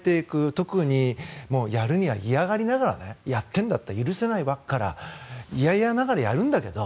特に嫌がりながらやってるんだったら許せないわから嫌々ながらやるんだけど